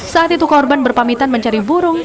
saat itu korban berpamitan mencari burung